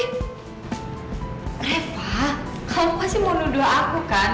reva kamu pasti mau nuduh aku kan